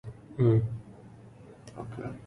طلبت منه فتح النافذة.